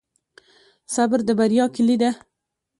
صبر د بریا کلي ده.